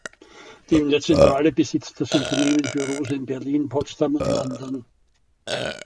Neben der Zentrale besitzt das Unternehmen Büros in Berlin, Potsdam und London.